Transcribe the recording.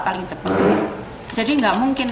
paling cepat jadi nggak mungkin